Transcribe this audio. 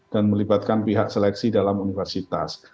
dan melibatkan pihak seleksi dalam universitas